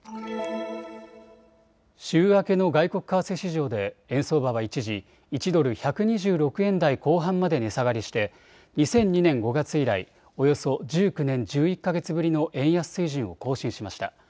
週明けの外国為替市場で円相場は一時、１ドル１２６円台後半まで値下がりして２００２年５月以来、およそ１９年１１か月ぶりの円安水準を更新しました。